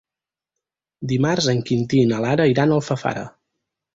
Dimarts en Quintí i na Lara iran a Alfafara.